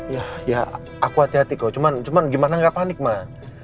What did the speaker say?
ya ya aku hati hati kok cuma gimana gak panik mah